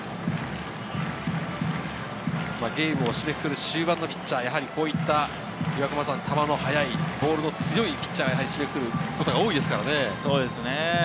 ゲームを締めくくる終盤のピッチャーはこういった、球の速い、ボールの強いピッチャーが締めくくることが多いですからね。